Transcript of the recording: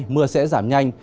mưa sẽ giảm nhanh